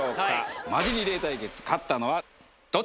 マジリレー対決勝ったのはどっち？